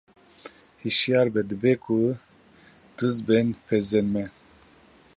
Hişyar be dibe ku diz bên pezên me!